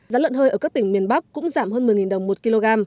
giá lợn hơi ở các tỉnh miền bắc cũng giảm hơn một mươi đồng một kg